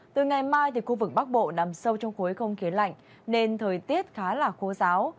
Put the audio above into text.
từ ngày mai khu vực bắc bộ nằm sâu trong khối không khí lạnh nên thời tiết khá là khô giáo